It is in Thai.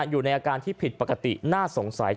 อยู่ในอาการที่ผิดปกติน่าสงสัย